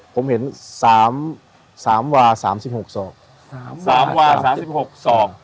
ผมเห็นสามสามวาสามสิบหกศอกสามสามวาสามสิบหกศอก